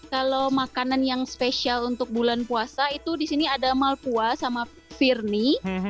kalau makanan yang spesial untuk bulan puasa itu di sini ada malpua sama firnie